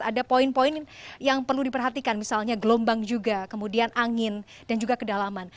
ada poin poin yang perlu diperhatikan misalnya gelombang juga kemudian angin dan juga kedalaman